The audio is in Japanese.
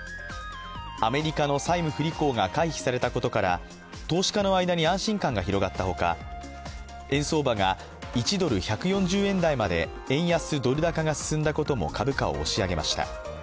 アメリカの債務不履行が回避されたことから投資家の間に安心感が広がったほか円相場が１ドル＝１４０円台まで円安・ドル高が進んだことも株価を押し上げました。